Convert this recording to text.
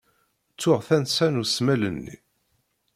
Ttuɣ tansa n usmel-nni.